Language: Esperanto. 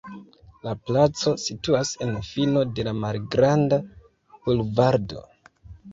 La placo situas en fino de la malgranda bulvardo.